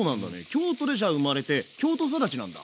京都でじゃあ生まれて京都育ち。